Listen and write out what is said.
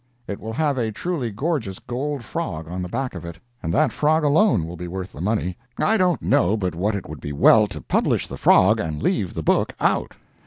It will have a truly gorgeous gold frog on the back of it, and that frog alone will be worth the money. I don't know but what it would be well to publish the frog and leave the book out.